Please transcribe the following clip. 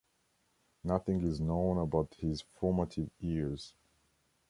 Nothing is known about his formative years.